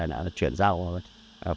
đã chuyển giao phóng